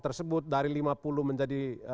tersebut dari lima puluh menjadi